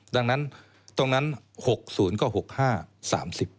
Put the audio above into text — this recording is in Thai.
ดังนั้นตรงนั้น๖ศูนย์ก็๖ศูนย์๕